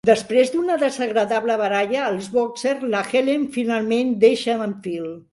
Després d'una desagradable baralla al Boxers, la Helen finalment deixa a en Phil.